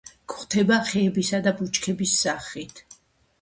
გვხვდება ხეებისა და ბუჩქების სახით.